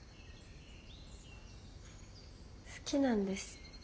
好きなんです。